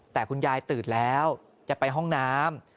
แต่คุณยายตื่นแล้วจะไปห้องน้ำ